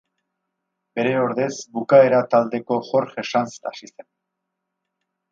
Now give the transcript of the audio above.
Bere ordez Bukaera taldeko Jorge Sanz hasi zen.